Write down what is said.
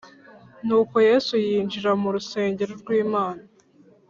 Nuko Yesu yinjira mu rusengero rw’Imana